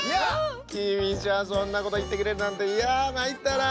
キーウィーちゃんそんなこといってくれるなんていやまいったな。